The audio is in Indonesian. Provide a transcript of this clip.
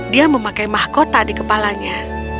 dia memakai mahkota di kepalanya